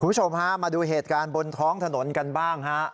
คุณผู้ชมฮะมาดูเหตุการณ์บนท้องถนนกันบ้างฮะ